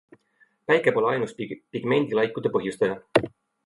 Päike pole ainus pigmendilaikude põhjustaja.